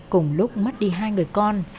cùng lúc mất đi hai người con